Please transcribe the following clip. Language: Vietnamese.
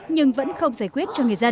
nhưng vẫn không giải quyết